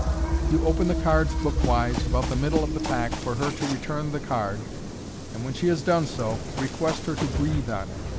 You open the cards book wise, about the middle of the pack, for her to return the card, and when she has done so, request her to breathe on it.